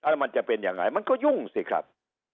แล้วมันจะเป็นยังไงมันก็ยุ่งสิครับ